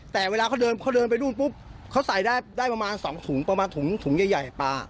แต่เวลาเขาเดินเขาเดินไปนู่นปุ๊บเขาใส่ได้ประมาณ๒ถุงประมาณถุงถุงใหญ่ปลา